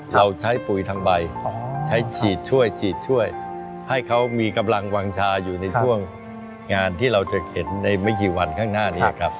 เราใช้ปุ๋ยทางใบใช้ฉีดช่วยฉีดช่วยให้เขามีกำลังวางชาอยู่ในช่วงงานที่เราจะเห็นในไม่กี่วันข้างหน้านี้ครับ